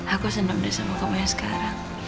aku senang deh sama kamu yang sekarang